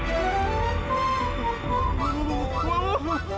iya jan tapi tapi jan